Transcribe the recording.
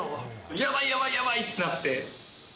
やばい、やばい、やばいってなって。